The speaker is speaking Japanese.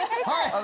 はい！